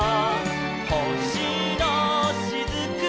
「ほしのしずくは」